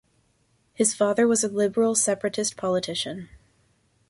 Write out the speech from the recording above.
His father was a liberal separatist politician.